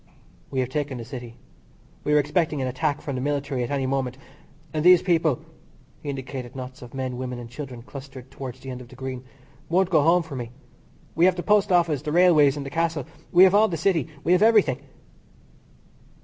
"We have taken the City. We are expecting an attack from the military at any moment, and those people," he indicated knots of men, women and children clustered towards the end of the Green, "won't go home for me. We have the Post Office, and the Railways, and the Castle. We have all the City. We have everything."